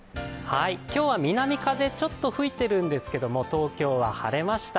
今日は南風、ちょっと吹いてるんですけど東京は晴れました。